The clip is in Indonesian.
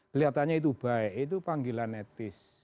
kelihatannya itu baik itu panggilan etis